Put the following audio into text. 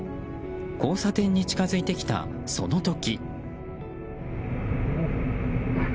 交差点に近づいてきた、その時。